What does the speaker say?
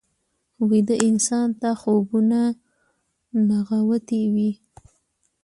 ویده انسان ته خوبونه نغوتې وي